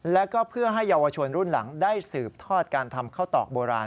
แล้วก็เพื่อให้เยาวชนรุ่นหลังได้สืบทอดการทำข้าวตอกโบราณ